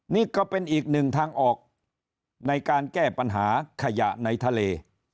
นี่ก็เป็นอีกหนึ่งทางออกในการแก้ปัญหาขยะในทะเล